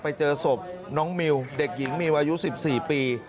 ไปเจอศพน้องมิวเด็กหญิงมิวอายุ๑๔ปี